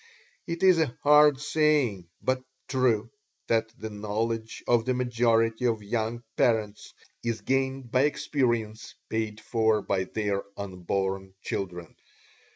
It is a hard saying, but true that "the knowledge of the majority of young parents is gained by experience paid for by their unborn children."